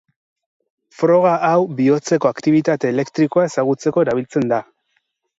Froga hau bihotzeko aktibitate elektrikoa ezagutzeko erabiltzen da.